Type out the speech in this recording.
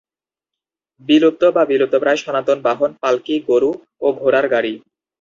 বিলুপ্ত বা বিলুপ্তপ্রায় সনাতন বাহন পাল্কি, গরু ও ঘোড়ার গাড়ি।